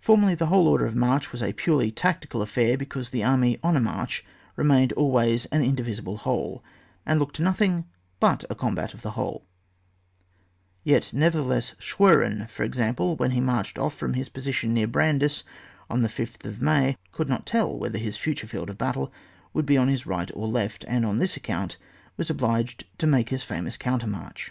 Formerly the whole order of march was a purely t€U)tical aflair, because the army on a march re mained always an indivisible whole, and looked to nothing but a combat of the whole ; yet nevertheless Schwerin, for example, when he marched off from his position near Brandeis, on the 5th of May, could not tell whether his future field of battle would be on his right or left, and on this account he was obliged to make his famous countermarch.